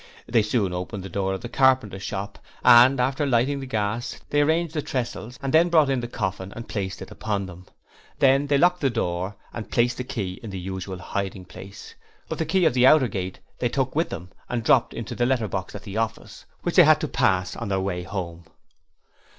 They soon opened the door of the carpenter's shop and, after lighting the gas, they arranged the tressels and then brought in the coffin and placed it upon them. Then they locked the door and placed the key in its usual hiding place, but the key of the outer gate they took with them and dropped into the letter box at the office, which they had to pass on their way home.